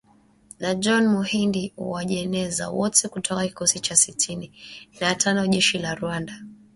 Na John Muhindi Uwajeneza, wote kutoka kikosi cha sitini na tano cha jeshi la Rwanda.